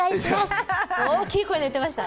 って大きい声で言ってました。